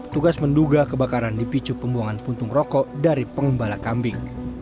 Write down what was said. tugas menduga kebakaran dipicu pembuangan puntung rokok dari pengembala kambing